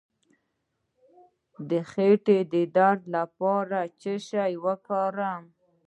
د خیټې د درد لپاره باید څه شی وکاروم؟